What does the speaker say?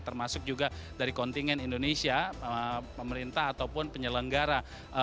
termasuk juga dari kontingen indonesia pemerintah ataupun penyelenggara